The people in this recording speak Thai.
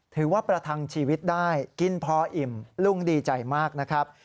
ถือว่าประทังชีวิตได้กินพออิ่มลุงดีใจมากนะครับ